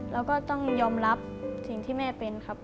แล้วก็ต้องยอมรับสิ่งที่แม่เป็นครับ